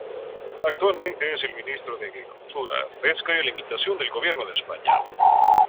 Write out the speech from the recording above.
Actualmente es el ministro de Agricultura, Pesca y Alimentación del Gobierno de España.